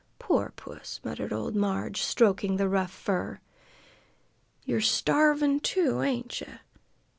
"Poor puss!" muttered old Marg, stroking the rough fur. "You're starvin', too, ain't ye?